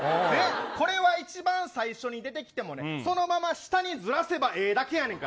これは一番最初に出てきてもそのまま下に、ずらせばいいだけ。